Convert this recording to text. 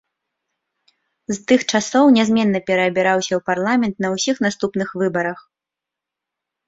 З тых часоў нязменна пераабіраўся ў парламент на ўсіх наступных выбарах.